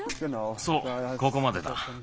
そうここまでだ。